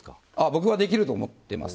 僕はできると思っています。